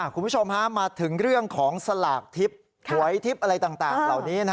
คุณผู้ชมมาถึงเรื่องของสลากทิพย์หวยทิพย์อะไรต่างเหล่านี้